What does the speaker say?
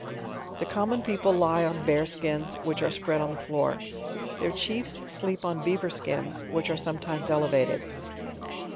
The common people lie on bear gkins, which are spread on the floor. Their chiefs bleep on beaver skins, which art sometimes elevated.